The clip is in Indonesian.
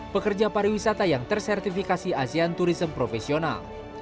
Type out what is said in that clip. pekerja pariwisata yang tersertifikasi asean tourism profesional